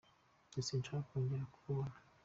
Njye sinshaka kongera kukubona.